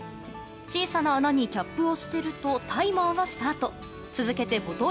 小さな穴にキャップを捨てるとタイマーがスタート。